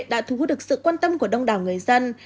đã thu hút được sự quan tâm của đông đảo người dân